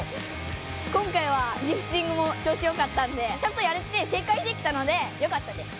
今回はリフティングもちょうしよかったんでちゃんとやれて正解できたのでよかったです。